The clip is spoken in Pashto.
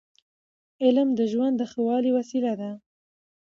علم د ژوند د ښه والي وسیله ده.